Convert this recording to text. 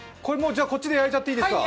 じゃ、こっちで焼いちゃっていいですか。